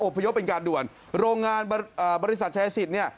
พยพเป็นการด่วนโรงงานบริษัทชายสิทธิ์เนี่ย